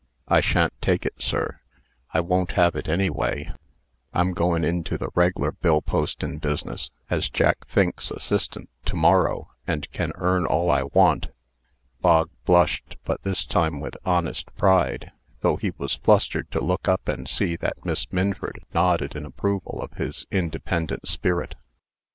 "I sha'n't take it, sir; I won't have it anyway. I'm goin' into the reg'lar bill postin' business, as Jack Fink's assistant, to morrow, and can earn all I want." Bog blushed, but this time with honest pride, though he was flustered to look up and see that Miss Minford nodded in approval of his independent spirit.